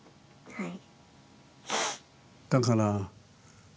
はい。